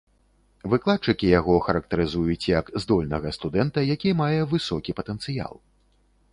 Выкладчыкі яго характарызуюць як здольнага студэнта, які мае высокі патэнцыял.